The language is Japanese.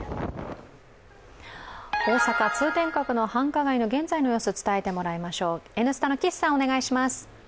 大阪・通天閣の繁華街の現在の様子を伝えてもらいましょう。